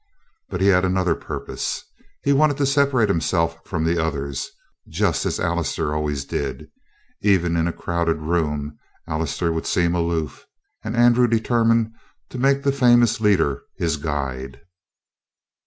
But he had another purpose. He wanted to separate himself from the others, just as Allister always did. Even in a crowded room Allister would seem aloof, and Andrew determined to make the famous leader his guide.